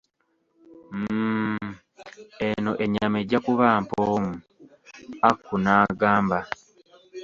Mmmm, eno ennyama ejja kuba mpoomu, Aku n'agamba.